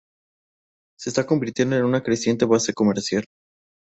Se está convirtiendo en una creciente base comercial.